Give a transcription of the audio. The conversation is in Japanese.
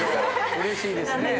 うれしいですね。